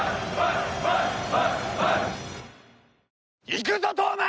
「いくぞ東卍」